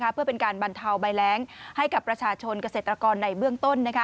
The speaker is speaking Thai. เพื่อเป็นการบรรเทาใบแรงให้กับประชาชนเกษตรกรในเบื้องต้น